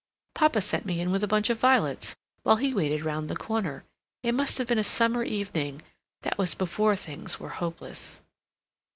Papa sent me in with a bunch of violets while he waited round the corner. It must have been a summer evening. That was before things were hopeless...."